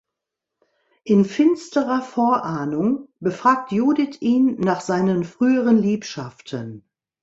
In finsterer Vorahnung befragt Judith ihn nach seinen früheren Liebschaften.